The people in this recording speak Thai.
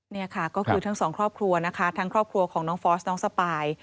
นี่ค่ะก็คือทั้งสองครอบครัวนะคะทั้งครอบครัวของน้องฟอสน้องสปาย